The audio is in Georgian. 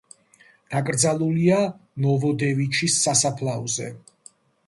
დაკრძალულია ნოვოდევიჩის სასაფლაოზე.